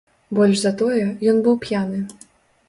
Больш за тое, ён быў п'яны.